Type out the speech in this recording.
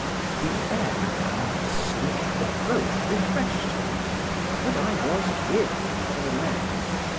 The air and the sleep had both refreshed me; but I was weary nevertheless.